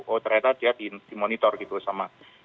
oh ternyata dia dimonitor gitu sama